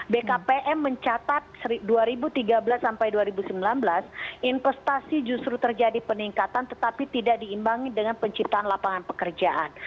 bkpm mencatat dua ribu tiga belas sampai dua ribu sembilan belas investasi justru terjadi peningkatan tetapi tidak diimbangi dengan penciptaan lapangan pekerjaan